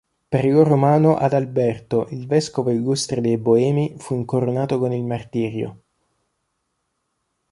Per loro mano Adalberto, il vescovo illustre dei Boemi, fu incoronato con il martirio.